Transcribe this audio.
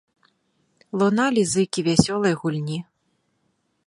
Луналі зыкі вясёлай гульні.